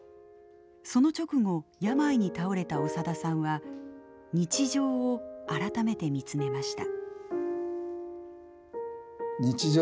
その直後、病に倒れた長田さんは日常を改めて見つめました。